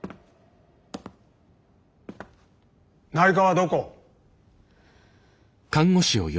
内科はどこ？